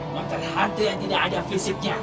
material hantu yang tidak ada fisiknya